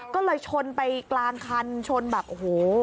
ก็เลยชนไปกลางคันชนแบบโอ้โห